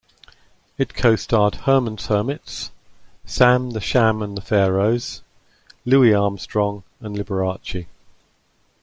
It co-starred Herman's Hermits, Sam the Sham and the Pharaohs, Louis Armstrong, and Liberace.